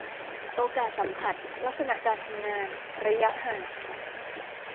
โอกาสสัมผัส ลักษณะการทำงาน ระยะห่าง